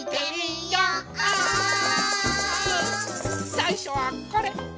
さいしょはこれ！